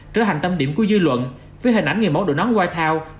trở hành tâm điểm của dư luận với hình ảnh người mẫu đồ nón white house